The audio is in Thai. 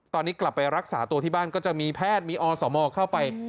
ตอนนี้กลับไปรักษาตัวที่บ้านก็จะมีแพทย์มีอสมเข้าไป